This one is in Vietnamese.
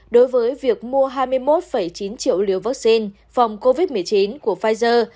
đối với việc mua hai mươi một chín triệu liều vaccine phòng covid một mươi chín của pfizer